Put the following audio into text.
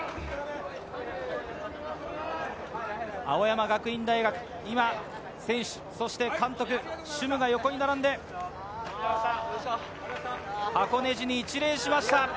青山学院大学、選手、そして監督、主務が一列に並んで箱根路に一礼しました。